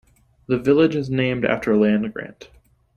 The village is named after a land grant.